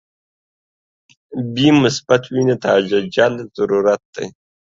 بی مثبت وینی ته عاجل ضرورت دي.